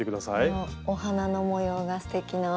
このお花の模様がすてきな。